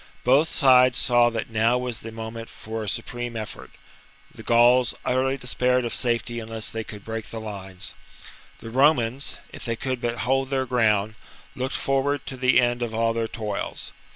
Both sides saw that now was the moment for a supreme effort : the Gauls utterly despaired of safety unless they could break the lines ; the Romans, if they could but hold their ground, looked forward to the end of all their toils.